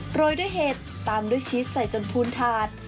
โรยด้วยเห็ดตามด้วยชีสใส่จนพูนถาด